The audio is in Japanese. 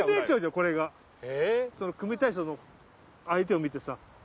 これが。の組みたいその相手を見てさ。